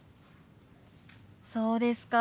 そうですか。